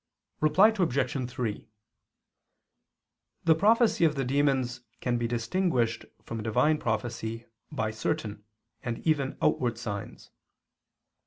Reply Obj. 3: The prophecy of the demons can be distinguished from Divine prophecy by certain, and even outward, signs.